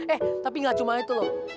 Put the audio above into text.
eh tapi gak cuma itu loh